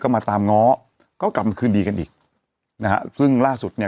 มาตามง้อก็กลับมาคืนดีกันอีกนะฮะซึ่งล่าสุดเนี่ย